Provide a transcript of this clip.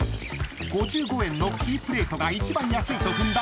［５５円のキープレートが一番安いと踏んだ相葉軍］